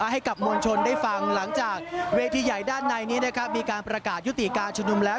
ให้กับมวลชนได้ฟังหลังจากเวทีใหญ่ด้านในนี้นะครับมีการประกาศยุติการชุมนุมแล้ว